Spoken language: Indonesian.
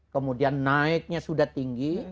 kemudian naiknya sudah tinggi